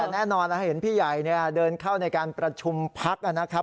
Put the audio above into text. แต่แน่นอนแล้วเห็นพี่ใหญ่เดินเข้าในการประชุมพักนะครับ